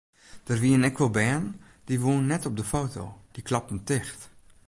Der wienen ek wol bern dy woenen net op de foto, dy klapten ticht.